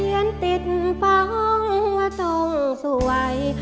เขียนติดฟังว่าต้องสวย